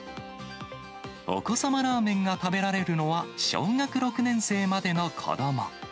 お子様ラーメンが食べられるのは小学６年生までの子ども。